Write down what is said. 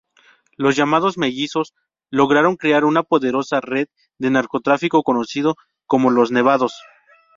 Los llamados "Mellizos" lograron crear una poderosa red de narcotráfico conocida como "Los Nevados".